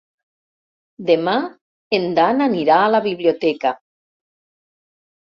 Demà en Dan anirà a la biblioteca.